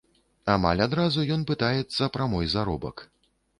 Амаль адразу ён пытаецца пра мой заробак.